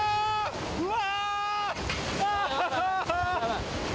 うわ！